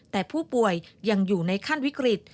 แต่ผู้ป่วยยังอยู่ในขั้นวิกฤต